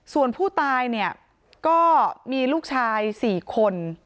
ส่วนผู้ตายมีลูกชาย๔คน